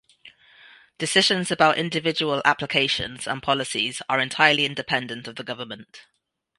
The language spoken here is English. Decisions about individual applications and policies are entirely independent of the Government.